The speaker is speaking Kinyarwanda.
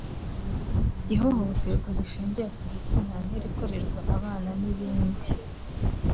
ihohoterwa rishingiye ku gitsina n’irikorerwa abana n’ibindi